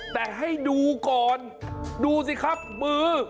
แต่ให้ดูก่อนดูสิครับมือ